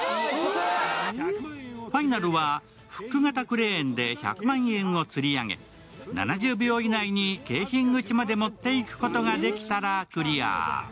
ファイナルはフック型クレーンで１００万円をつり上げ７０秒以内に景品口まで持っていくことができたらクリア。